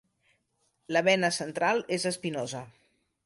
La vena central és espinosa.